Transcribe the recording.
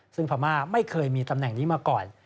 ซึ่งพม่าไม่เคยมีตำแหน่งนี้มาก่อน